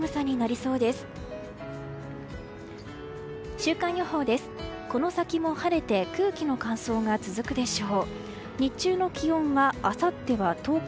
週間予報です。